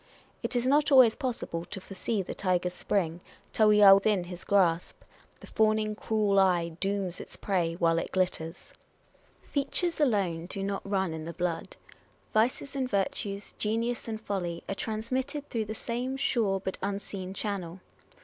It is not always possible to foresee the tiger's spring, till we are in his grasp ; the fawning, cruel eye dooms its prey, while it glitters ! Features 326 On Personal Character. alone do not run in the blood ; vices and virtues, genius and folly are ^transmitted through the same sure but unseen channel.